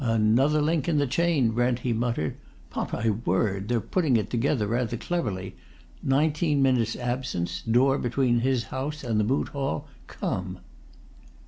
"Another link in the chain, Brent!" he muttered. "'Pon my word, they're putting it together rather cleverly: nineteen minutes' absence? door between his house and the Moot Hall? Come!"